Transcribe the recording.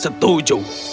sementara evelyn menunggu